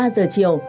ba giờ chiều